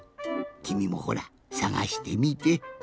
きみもほらさがしてみて。